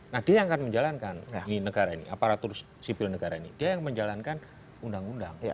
nah dia yang akan menjalankan aparatur sibil negara ini dia yang menjalankan undang undang